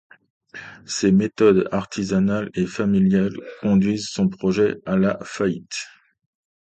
Ses méthodes artisanales et familiales conduisent son projet à la faillite.